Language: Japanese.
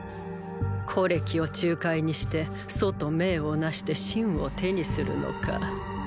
虎歴を仲介にして楚と盟をなして秦を手にするのか。